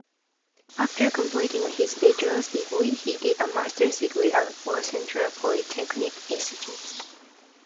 After completing his bachelor's degree, he did a master's degree at Worcester Polytechnic Institute.